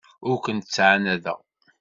Ur kent-ttɛanadeɣ.